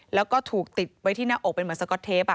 แล้วก็ถูกติดไว้ที่หน้าอกเป็นเหมือนสก๊อตเทป